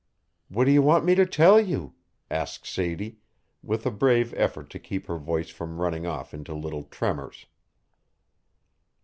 "What do you want me to tell you?" asked Sadie, with a brave effort to keep her voice from running off into little tremors.